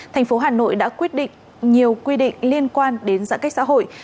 thành phố hà nội đã quyết định nhiều quy định liên quan đến giãn cách xã hội